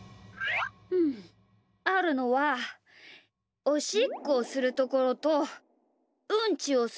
うんあるのはおしっこをするところとうんちをするところだな。